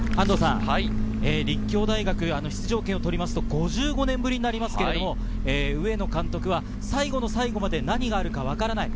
立教大学、出場権を取りますと、５５年ぶりになりますけれど、上野監督は最後の最後まで何があるかわからない。